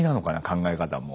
考え方も。